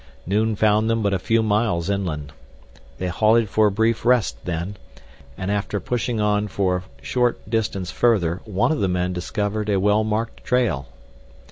Noon found them but a few miles inland. They halted for a brief rest then, and after pushing on for a short distance further one of the men discovered a well marked trail.